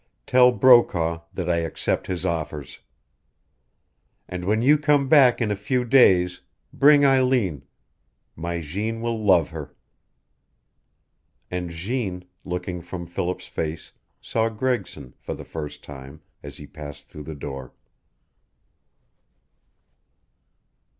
Tell Brokaw that I accept his offers. And when you come back in a few days, bring Eileen. My Jeanne will love her." And Jeanne, looking from Philip's face, saw Gregson, for the first time, as he passed through the door.